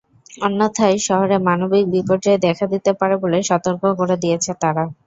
অন্যথায় শহরে মানবিক বিপর্যয় দেখা দিতে পারে বলে সতর্ক করে দিয়েছে তারা।